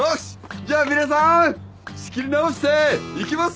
じゃあ皆さーん仕切り直していきますよ！